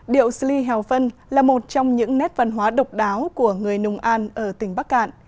điệu sli hào phân là một trong những nét văn hóa độc đáo của người nùng an ở tỉnh bắc cạn